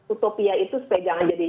utopia itu supaya jangan jadi